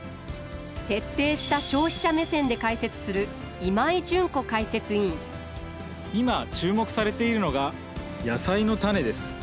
徹底した消費者目線で解説する今井純子解説委員今注目されているのが野菜の種です。